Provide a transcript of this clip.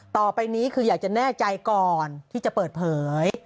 ต่อไปนี้คืออยากจะแน่ใจก่อนที่จะเปิดเผย